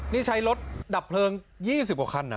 นี่ใช้รถดับเพลิง๒๐กว่าคันนะ